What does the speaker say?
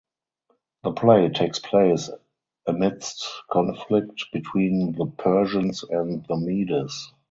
The play takes place amidst conflict between the Persians and the Medes.